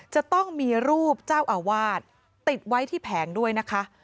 จะต้องมีรูปเจ้าอาวาสติดไว้ที่แผงด้วยนะคะ